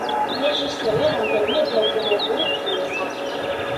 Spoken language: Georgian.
რეჟისორია რამდენიმე დოკუმენტური ფილმისა.